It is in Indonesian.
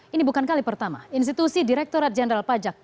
ini bukan kali pertama institusi direkturat jenderal pajak